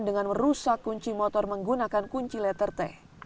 dengan merusak kunci motor menggunakan kunci letter t